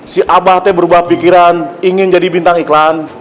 si abah teh berubah pikiran ingin jadi bintang iklan